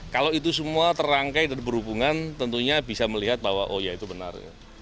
kalau itu semua terangkai dan berhubungan tentunya bisa melihat bahwa oh ya itu benar